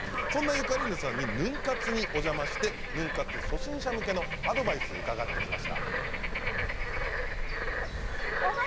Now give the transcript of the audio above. そのゆかりーぬさんにヌン活にお邪魔してヌン活初心者向けのアドバイスを伺ってきました。